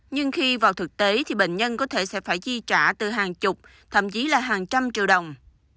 nhưng khi vào thực tế thì bệnh nhân có thể sẽ phải chi trả từ hàng chục thậm chí là hàng trăm triệu đồng